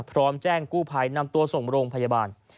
พร้อมแจ้งกู้ภัยนำตัวส่งโรงพยาบาล